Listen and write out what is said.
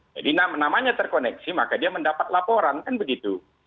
jadi namanya terkoneksi maka dia mendapat laporan kan begitu